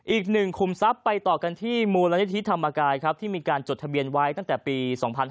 อีกหนึ่งคุมทรัพย์ไปต่อกันที่มูลนิธิธรรมกายครับที่มีการจดทะเบียนไว้ตั้งแต่ปี๒๕๕๙